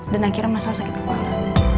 dan akhirnya masalah sakit kepala